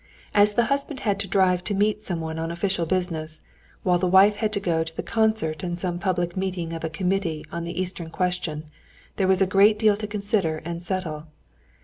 As the husband had to drive to meet someone on official business, while the wife had to go to the concert and some public meeting of a committee on the Eastern Question, there was a great deal to consider and settle.